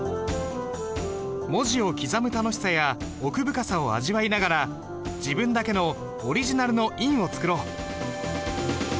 文字を刻む楽しさや奥深さを味わいながら自分だけのオリジナルの印を作ろう。